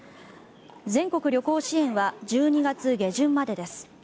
全国旅行支援は１２月下旬までです。